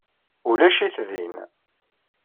Ulac-it din.